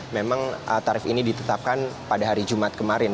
memang tarif ini ditetapkan pada hari jumat kemarin